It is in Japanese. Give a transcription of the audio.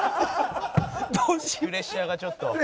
プレッシャーがちょっと。